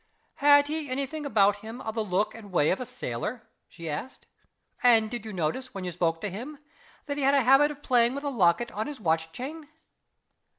"Had he any thing about him of the look and way of a sailor?" she asked. "And did you notice, when you spoke to him, that he had a habit of playing with a locket on his watch chain?"